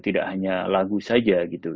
tidak hanya lagu saja gitu